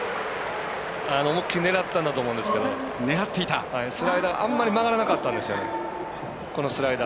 思い切り狙ったんだと思うんですけどスライダーあんまり曲がらなかったんですよ。